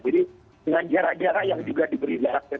jadi dengan jarak jarak yang juga diberi darah